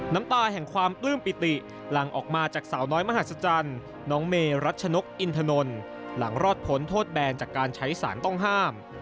น้ำตาแห่งความปลื้มปิติหลังออกมาจากสาวน้อยมหาศจรรย์น้องเมรัชนกอินทนนหลังรอดพ้นโทษแบนจากการใช้สารต้องห้าม